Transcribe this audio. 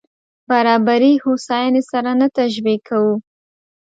برابري هوساينې سره نه تشبیه کوو.